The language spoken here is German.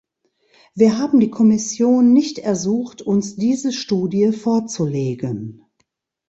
Wir haben die Kommission nicht ersucht, uns diese Studie vorzulegen.